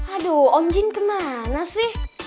aduh om jin kemana sih